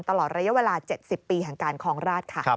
ตลอดระยะเวลา๗๐ปีของราช